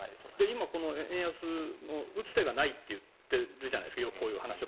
今、この円安に打つ手がないということをよく言っているじゃないですか。